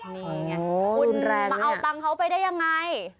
นี่ไงคุณมาเอาตังค์เขาไปได้ยังไง